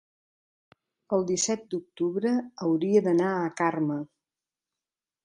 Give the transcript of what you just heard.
el disset d'octubre hauria d'anar a Carme.